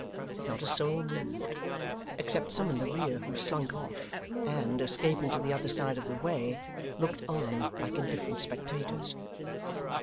Not a soul moved; except some in the rear who slunk off, and, escaping to the other side of the way, looked on like indifferent spectators.